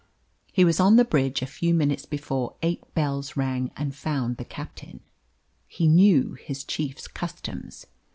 He was on the bridge a few minutes before eight bells rang, and found the captain. He knew his chief's customs.